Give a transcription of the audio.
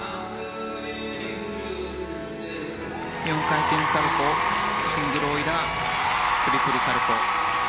４回転サルコウシングルオイラートリプルサルコウ。